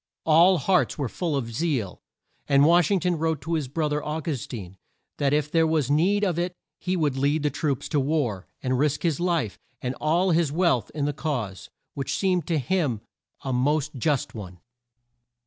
All hearts were full of zeal; and Wash ing ton wrote to his bro ther, Au gus tine, that if there was need of it he would lead troops to war, and risk his life and all his wealth in the cause, which seemed to him a most just one.